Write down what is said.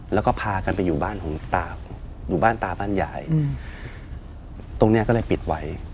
แล้วก็พากันไปอยู่บ้านของตาอยู่บ้านตาบ้านยายตรงเนี้ยก็เลยปิดไว้